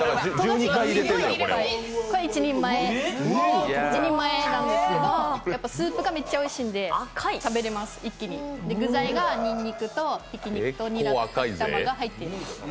これ一人前なんですけど、スープがめっちゃおいしいんで食べれます、一気に具材がにんにくと、ひき肉とにらと卵が入ってます。